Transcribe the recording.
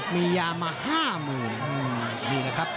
มียามา๕๐๐๐๐